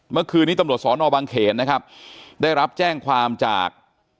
เมื่อคืนนี้ตำรวจสอนอบางเขนนะครับได้รับแจ้งความจาก